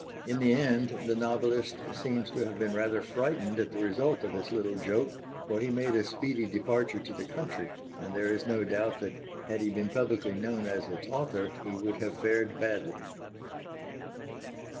In the end the novelist seems to have been rather frightened at the result of his little joke, for he made a speedy departure to the country; and there is no doubt that, had he been publicly known as its author, he would have fared badly.